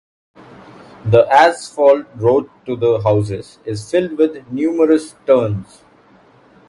The asphalt road to the houses is filled with numerous turns.